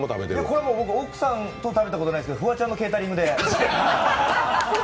これは、奥さんと食べたことはないけどフワちゃんのケータリングで。